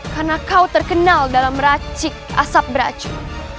karena kau terkenal dalam meracik asap beracun